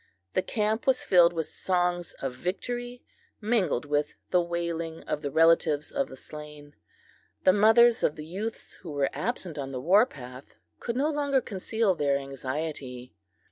The camp was filled with songs of victory, mingled with the wailing of the relatives of the slain. The mothers of the youths who were absent on the war path could no longer conceal their anxiety.